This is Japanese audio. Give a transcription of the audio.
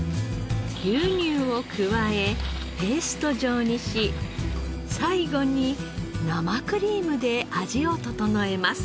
牛乳を加えペースト状にし最後に生クリームで味を調えます。